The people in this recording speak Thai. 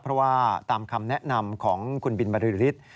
เพราะว่าตามคำแนะนำของคุณบินบริฤทธิ์